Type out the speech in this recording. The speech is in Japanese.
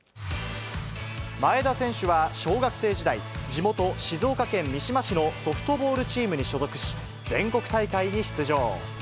前田選手は小学生時代、地元、静岡県三島市のソフトボールチームに所属し、全国大会に出場。